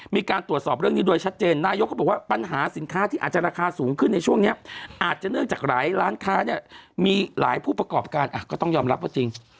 มีการตรวจสอบเรื่องนี้โดยชัดเจนนายกเขาบอกว่าปัญหาสินค้าที่อาจจะราคาสูงขึ้นในช่วงนี้อาจจะเนื่องจากหลายร้านค้าเนี่ยมีหลายผู้ประกอบการก็ต้องยอมรับว่าจริง